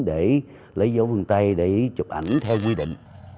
để lấy dấu vân tay để chụp ảnh theo quy định